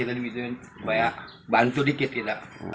supaya bantu dikit kita